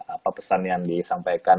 apa pesan yang disampaikan